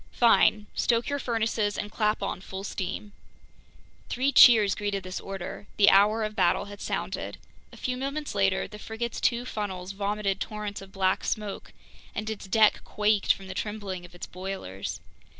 "Fine. Stoke your furnaces and clap on full steam!" Three cheers greeted this order. The hour of battle had sounded. A few moments later, the frigate's two funnels vomited torrents of black smoke, and its deck quaked from the trembling of its boilers.